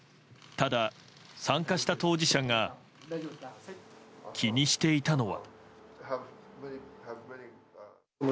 ただ、参加した当事者が気にしていたのは。